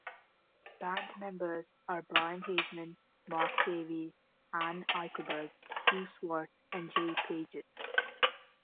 Band members are Brian Hageman, Mark Davies, Anne Eickelberg, Hugh Swarts and Jay Paget.